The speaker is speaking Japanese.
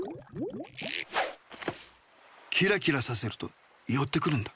キラキラさせるとよってくるんだ。